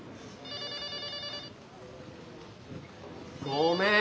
ごめん。